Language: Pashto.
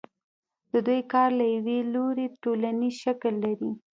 د دوی کار له یوه لوري ټولنیز شکل لري